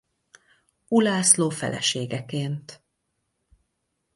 Ulászló feleségeként.